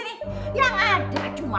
gak ada siapa siapa